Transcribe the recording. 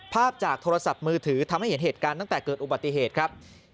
ภาพจากโทรศัพท์มือถือทำให้เห็นเหตุการณ์ตั้งแต่เกิดอุบัติเหตุครับ